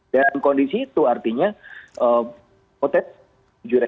dan kondisi itu artinya potensi jurek